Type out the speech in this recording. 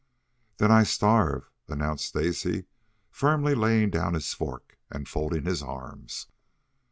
"Then I starve," announced Stacy, firmly, laying down his fork and folding his arms.